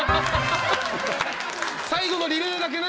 最後のリレーだけね。